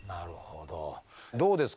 どうですか？